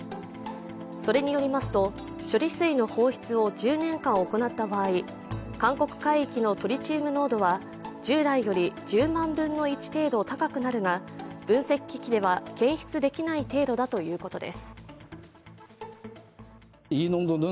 それによりますと、処理水の放出を１０年間行った場合、韓国海域のトリチウム濃度は従来より１０万分の１程度高くなるが分析機器では検出できない程度だということです。